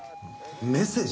メッセージ？